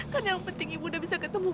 karena yang penting ibu udah bisa ketemu kamu